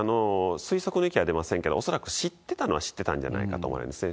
推測の域は出ませんけれども、恐らく知ってたのは知ってたんじゃないかと思いますね。